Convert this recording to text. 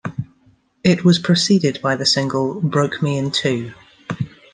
It was preceded by the single "Broke Me In Two".